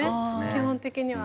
基本的には。